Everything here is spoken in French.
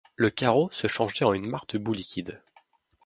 Le carreau se changeait en une mare de boue liquide.